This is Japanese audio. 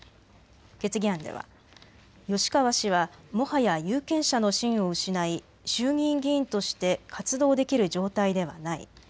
決議案では吉川氏はもはや有権者の信を失い衆議院議員として活動できる状態ではない。